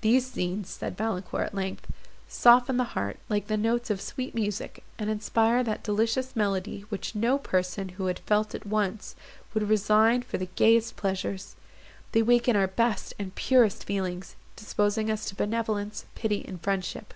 "These scenes," said Valancourt, at length, "soften the heart, like the notes of sweet music, and inspire that delicious melancholy which no person, who had felt it once, would resign for the gayest pleasures. They waken our best and purest feelings, disposing us to benevolence, pity, and friendship.